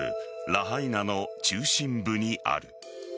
ラハイナの中心部にある。